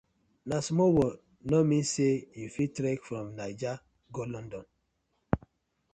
Na small world no mean say you fit trek from Naija go London: